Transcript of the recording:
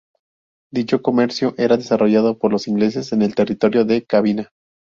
Dicho comercio era desarrollado por los ingleses en el territorio de Cabinda.